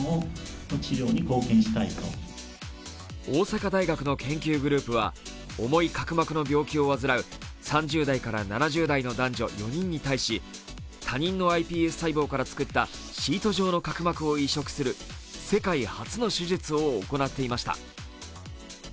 大阪大学の研究グループは重い角膜の病気を煩う３０代から７０代の男女４人に対し他人のｉＰＳ細胞から作ったシート状の角膜を移植する移植する世界初の手術を行っていました。